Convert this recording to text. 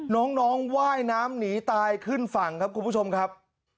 น้องว่ายน้ำหนีตายขึ้นฝั่งครับคุณผู้ชมครับ